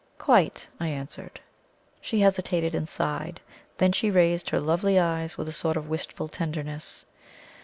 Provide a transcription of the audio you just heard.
"Quite," I answered. She hesitated and sighed. Then she raised her lovely eyes with a sort of wistful tenderness.